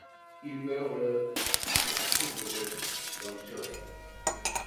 Il meurt le à Pulborough, dans le Surrey.